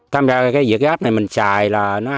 tham gia cái dự áp này mình xài là nó hẳn